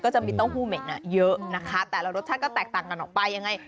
จะมีเต้าหู้เหม็นเยอะนะคะแต่ละรสชาติก็แตกต่างกันออกไปยังไง